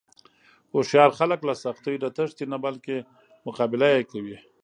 هوښیار خلک له سختیو نه تښتي نه، بلکې مقابله یې کوي.